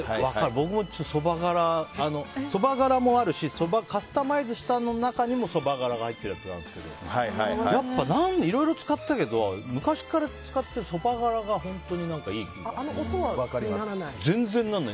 僕もそば殻そば殻もあるしカスタマイズした中にもそば殻が入っているやつがあるんですけどやっぱ、いろいろ使ったけど昔から使ってる音は気にならない？